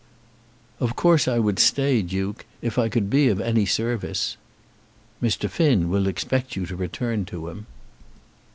"Of course I would stay, Duke, if I could be of any service." "Mr. Finn will expect you to return to him."